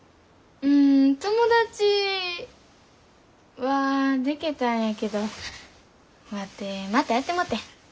うん友達はでけたんやけどワテまたやってもうてん。